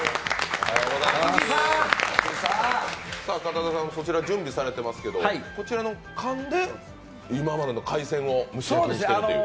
片田さん、そちら準備されてますけど、こちらの缶で海鮮を蒸し焼きするという？